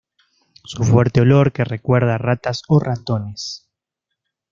Su fuerte olor que recuerda a ratas o ratones.